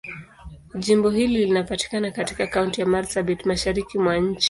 Jimbo hili linapatikana katika Kaunti ya Marsabit, Mashariki mwa nchi.